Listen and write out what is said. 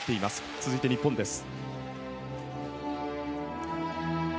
続いて、日本の国歌です。